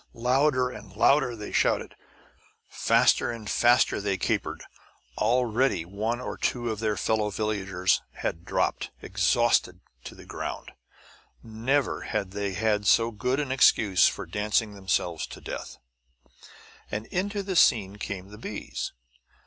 Louder and louder they shouted; faster and faster they capered. Already one or two of their fellow villagers had dropped, exhausted, to the ground. Never had they had so good an excuse for dancing themselves to death! And into this scene came the bees.